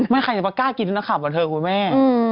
ไม่ใครจะกล้ากินที่นักข่าวบันเทิงครับคุณแม่